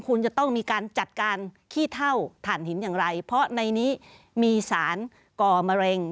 คุณจะต้องมีการจัดการขี้เท่าฐานหินอย่างไรเพราะในนี้มีสารก่อมะเร็ง